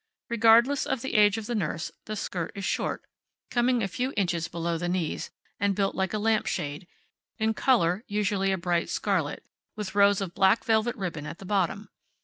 Regardless of the age of the nurse, the skirt is short, coming a few inches below the knees, and built like a lamp shade, in color usually a bright scarlet, with rows of black velvet ribbon at the bottom.